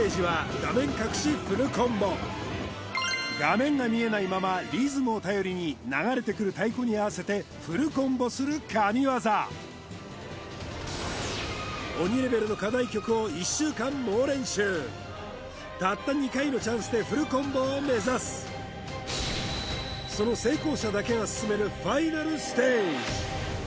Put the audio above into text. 画面が見えないままリズムを頼りに流れてくる太鼓に合わせてフルコンボする神業おにレベルの課題曲を１週間猛練習たった２回のチャンスでフルコンボを目指すその成功者だけが進めるファイナルステージ